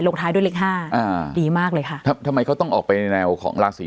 ท้ายด้วยเลขห้าอ่าดีมากเลยค่ะทำไมเขาต้องออกไปในแนวของราศี